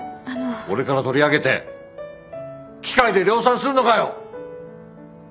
俺から取り上げて機械で量産するのかよ。